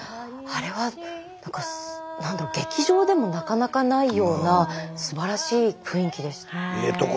あれは何か何だろう劇場でもなかなかないようなすばらしい雰囲気です。